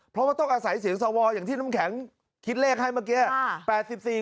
เพราะว่าต้องอาศัยเสียงสวอย่างที่น้ำแข็งคิดเลขให้เมื่อกี้